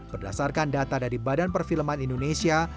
berdasarkan data dari badan perfilman indonesia